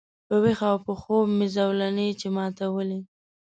په ویښه او په خوب مي زولنې چي ماتولې